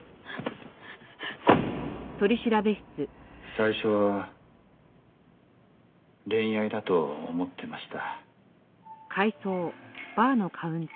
最初は恋愛だと思ってました。